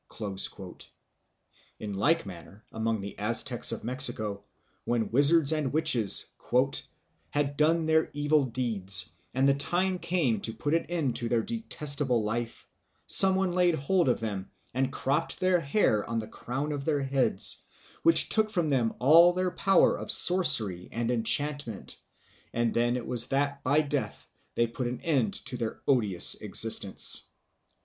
In like manner among the Aztecs of Mexico, when wizards and witches "had done their evil deeds, and the time came to put an end to their detestable life, some one laid hold of them and cropped the hair on the crown of their heads, which took from them all their power of sorcery and enchantment, and then it was that by death they put an end to their odious existence."